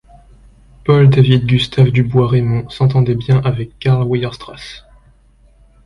Paul David Gustave du Bois-Reymond s'entendait bien avec Karl Weierstrass.